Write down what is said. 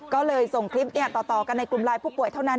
ก็เลยส่งคลิปต่อกันในกลุ่มไลน์ผู้ป่วยเท่านั้น